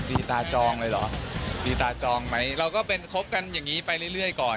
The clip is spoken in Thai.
ดีตาจองเลยเหรอดีตาจองไหมเราก็เป็นคบกันอย่างนี้ไปเรื่อยก่อน